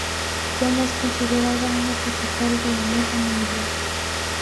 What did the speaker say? Roma es considerada una "capital de la moda" mundial.